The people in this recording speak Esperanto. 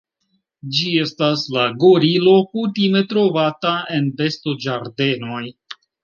Ĝi estas la gorilo kutime trovata en bestoĝardenoj.